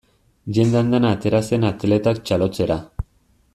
Jende andana atera zen atletak txalotzera.